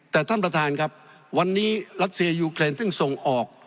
แต่ท่านประธานครับวันนี้รัสเซียยูเครนซึ่งส่งออก